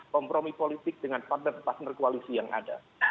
kompromi politik dengan partner partner koalisi yang ada